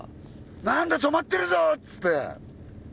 「何だ止まってるぞ！」っつって。